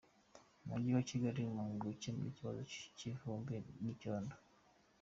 Umujyi wa Kigali mu gukemura ikibazo cy’ivumbi n’icyondo